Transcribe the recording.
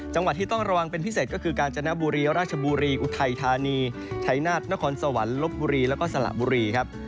จังหวัดที่ต้องระวังเป็นพิเศษก็คือกาญจนบุรีราชบุรีอุทัยธานีชัยนาฏนครสวรรค์ลบบุรีแล้วก็สละบุรีครับ